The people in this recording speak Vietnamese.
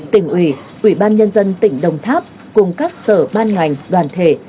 tỉnh ủy ủy ban nhân dân tỉnh đồng tháp cùng các sở ban ngành đoàn thể